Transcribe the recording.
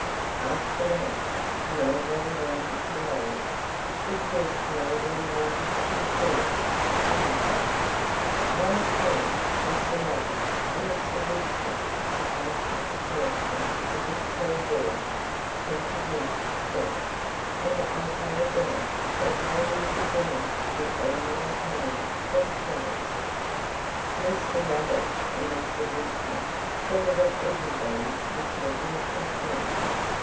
After that, nobody wanted to leave, because nobody wanted to be thought stingy. "I appoint Mr. Rabbit and Mr. Woodchuck to take up a collection for this poor boy," Peter Mink said. "And I've no doubt that they will be glad to give all they can, themselves." Mr. Rabbit and Mr. Woodchuck saw that everybody was looking at them.